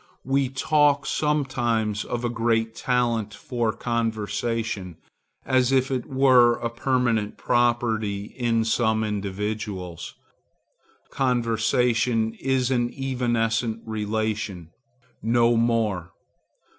We talk sometimes of a great talent for conversation, as if it were a permanent property in some individuals. Conversation is an evanescent relation,—no more.